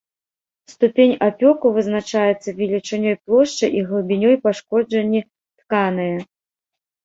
Ступень апёку вызначаецца велічынёй плошчы і глыбінёй пашкоджанні тканае.